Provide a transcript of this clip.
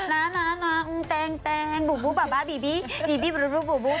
นั้นนั้นนั้นแตงแตงบุ๊บบุ๊บบาบาบีบีบีบีบุ๊บบุ๊บบุ๊บ